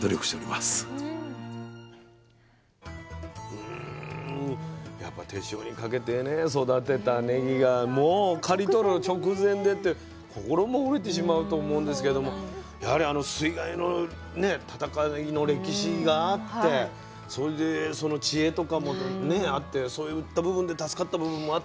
うんやっぱ手塩にかけてね育てたねぎがもう刈り取る直前でって心も折れてしまうと思うんですけれどもやはりあの水害のね闘いの歴史があってそれでその知恵とかもねあってそういった部分で助かった部分もあったっていうのがね